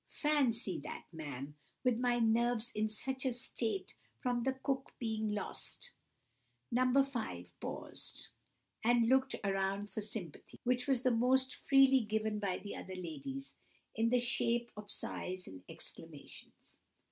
Fancy that, ma'am, with my nerves in such a state from the cook being lost!" No. 5 paused, and looked round for sympathy, which was most freely given by the other ladies, in the shape of sighs and exclamations.